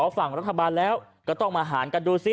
ฝั่งรัฐบาลแล้วก็ต้องมาหารกันดูซิ